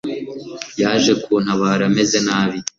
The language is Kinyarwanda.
yaje kuntabara meze nabi